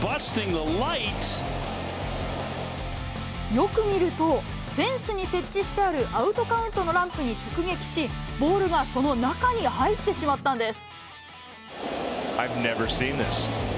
よく見ると、フェンスに設置してあるアウトカウントのランプに直撃し、ボールがその中に入ってしまったんです。